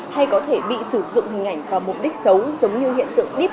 hay có thể bị sử dụng hình ảnh vào mục đích xấu giống như hiện tượng bit